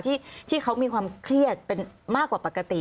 ที่เขามีความเครียดเป็นมากกว่าปกติ